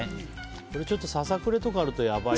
ちょっとささくれとかあるとやばい。